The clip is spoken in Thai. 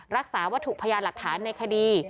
รักษาวัตถุพยานหลักฐานในคดี